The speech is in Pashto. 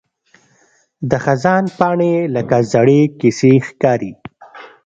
د خزان پاڼې لکه زړې کیسې ښکاري